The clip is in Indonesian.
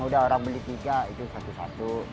udah orang beli tiga itu satu satu